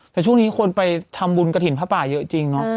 แต่ช่วงนี้คนไปทำบุญกระถิ่นผ้าป่าเยอะจริงเนาะ